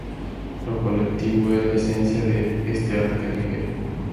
Lo colectivo es la esencia de este arte callejero.